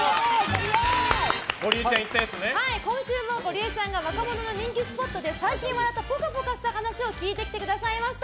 今週もゴリエちゃんが若者の人気スポットで最近笑ったぽかぽかした話を聞いてきてくれました。